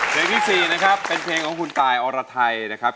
เพลงที่๔นะครับเป็นเพลงของคุณตายอรไทยนะครับ